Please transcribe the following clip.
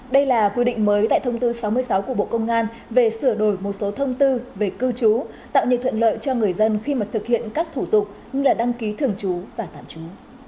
đây là quy định mới tại thông tư sáu mươi sáu của bộ công an về sửa đổi một số thông tư về cư trú tạo nhiều thuận lợi cho người dân khi mà thực hiện các thủ tục như là đăng ký thường trú và tạm trú